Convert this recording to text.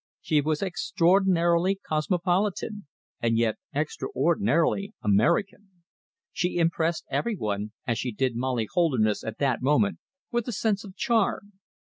She was extraordinarily cosmopolitan, and yet extraordinarily American. She impressed every one, as she did Molly Holderness at that moment, with a sense of charm.